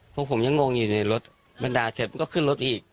พวกผมยังงงอยู่ในรถมันด่าเสร็จมันก็ขึ้นรถอีก